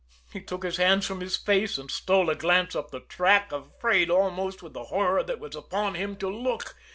He took his hands from his face, and stole a glance up the track, afraid almost, with the horror that was upon him, to look.